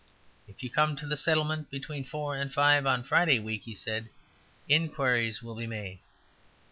"If you come to the Settlement between four and five on Friday week," he said, "inquiries will be made."